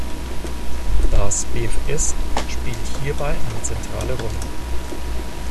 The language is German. Das BfS spielt hierbei eine zentrale Rolle.